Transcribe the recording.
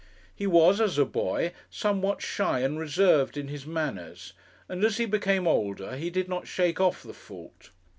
He was, as a boy, somewhat shy and reserved in his manners, and as he became older he did not shake off the fault.